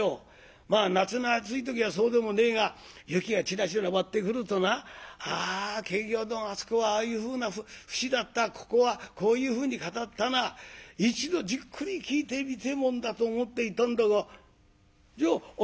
まあ夏の暑い時はそうでもねえが雪がちらちら舞ってくるとなあ検校どんあそこはああいうふうな節だったここはこういうふうに語ったな一度じっくり聞いてみてえもんだと思っていたんだがじゃあ